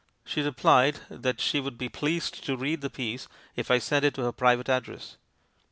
"She replied that she would be pleased to read the piece if I sent it to her private address.